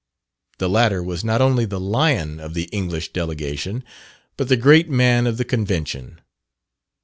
The latter was not only the lion of the English delegation, but the great man of the Convention.